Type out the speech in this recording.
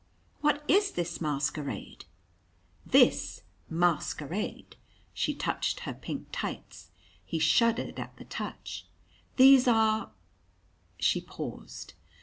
What is this masquerade?" "This masquerade?" She touched her pink tights he shuddered at the touch. "These are " She paused.